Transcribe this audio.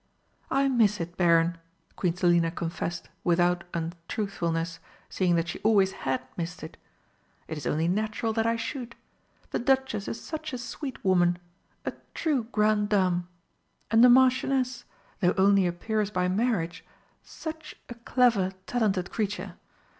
"I miss it, Baron," Queen Selina confessed, without untruthfulness, seeing that she always had missed it. "It is only natural that I should. The Duchess is such a sweet woman a true grande dame! And the Marchioness, though only a peeress by marriage, such a clever, talented creature!